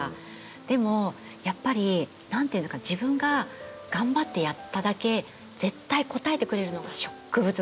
でもやっぱり何ていうんですか自分が頑張ってやっただけ絶対応えてくれるのが植物なんですよ。